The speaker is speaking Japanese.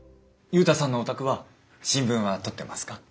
ユウタさんのお宅は新聞は取ってますか？